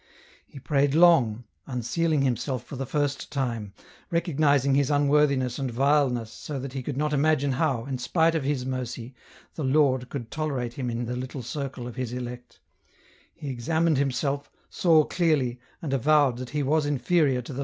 He prayed long, unsealing himself for the first time, recognizing his unworthiness and vileness so that he could not imagine how, in spite of His mercy, the Lord could tolerate him in the little circle of His elect ; he examined himself, saw clearly, and avowed that he was inferior to the EN ROUTE.